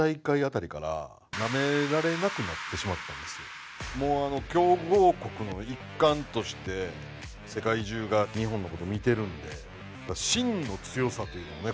正直もう強豪国の一環として世界中が日本のこと見てるんで真の強さというのをね